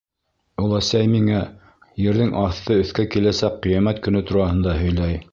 Оләсәй миңә ерҙең аҫты өҫкә киләсәк ҡиәмәт көнө тураһында һөйләй.